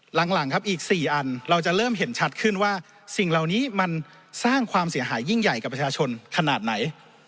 หลังครับอีก๔อันเราจะเริ่มเห็นชัดขึ้นว่าสิ่งเหล่านี้มันสร้างความเสียหายยิ่งใหญ่กับประชาชนขนาดไหน